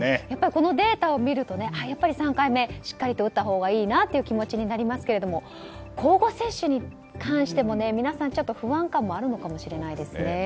やっぱりデータを見ると３回目、しっかり打った方がいいなという気持ちになりますけれども交互接種に関しても皆さん、不安感もあるのかもしれないですね。